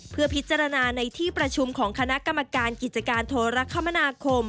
เพื่อพิจารณาในที่ประชุมของคณะกรรมการกิจการโทรคมนาคม